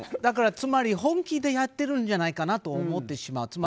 つまり本気でやっているんじゃないかと思ってしまう。